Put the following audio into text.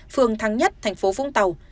phường thắng nhất tp vũng tàu